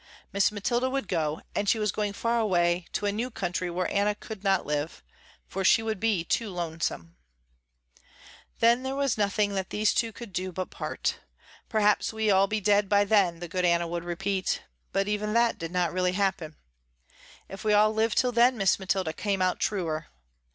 Miss Mathilda would go, and she was going far away to a new country where Anna could not live, for she would be too lonesome. There was nothing that these two could do but part. Perhaps we all be dead by then, the good Anna would repeat, but even that did not really happen. If we all live till then Miss Mathilda, came out truer.